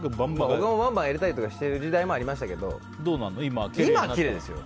他もバンバン入れてる時代もありましたけど今はきれいですよ。